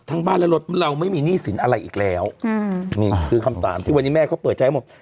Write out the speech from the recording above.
บ้านและรถเราไม่มีหนี้สินอะไรอีกแล้วอืมนี่คือคำถามที่วันนี้แม่เขาเปิดใจให้หมด